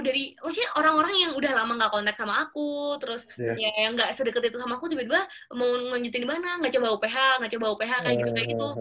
jadi maksudnya orang orang yang udah lama gak kontak sama aku terus yang gak sedeket itu sama aku tiba tiba mau ngelanjutin dimana gak coba uph gak coba uph kayak gitu kayak gitu